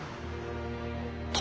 殿。